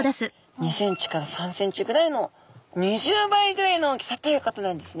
２ｃｍから３ｃｍぐらいの２０倍ぐらいの大きさということなんですね。